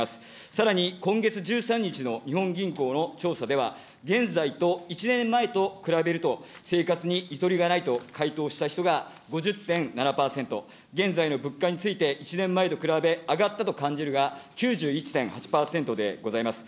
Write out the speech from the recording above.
さらに今月１３日の日本銀行の調査では、現在と１年前と比べると、生活にゆとりがないと回答した人が５０．７％、現在の物価について１年前と比べ、上がったと感じるが９１．８％でございます。